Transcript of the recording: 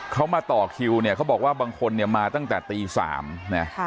เขามาต่อคิวเนี่ยเขาบอกว่าบางคนเนี่ยมาตั้งแต่ตี๓นะ